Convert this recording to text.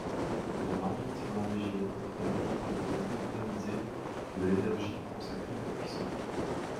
La marmite norvégienne est un outil permettant d'économiser de l'énergie consacrée à la cuisson.